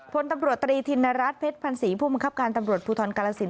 ผลตำรวจตรีธินรัสเพชรพันธ์ศรีภูมิคับการตำรวจภูทรกลักษิณ